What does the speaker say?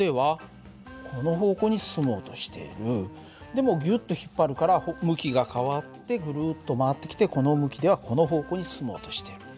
でもギュッと引っ張るから向きが変わってぐるっと回ってきてこの向きではこの方向に進もうとしている。